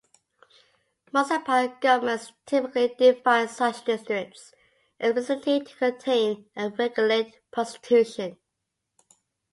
Municipal governments typically defined such districts explicitly to contain and regulate prostitution.